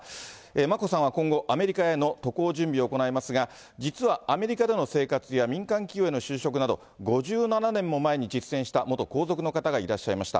眞子さんは今後、アメリカへの渡航準備を行いますが、実はアメリカでの生活や民間企業への就職など、５７年も前に実践した元皇族の方がいらっしゃいました。